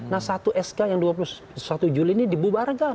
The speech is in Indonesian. nah satu sk yang dua puluh satu juli ini dibubarkan